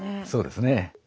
そうですね。